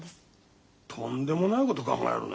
とんでもないこと考えるね。